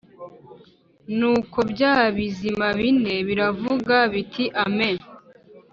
Nuko bya bizima bine biravuga biti Amen